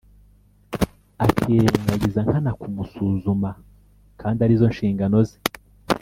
akirengagiza nkana kumusuzuma kandi ari zo nshingano ze